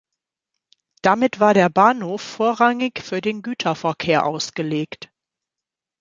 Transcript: Damit war der Bahnhof vorrangig für den Güterverkehr ausgelegt.